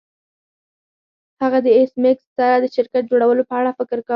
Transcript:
هغه د ایس میکس سره د شرکت جوړولو په اړه فکر کاوه